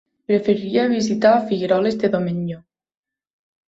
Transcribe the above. Preferiria visitar Figueroles de Domenyo.